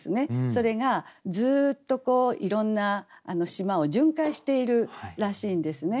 それがずっといろんな島を巡回しているらしいんですね。